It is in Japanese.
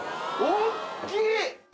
おっきい！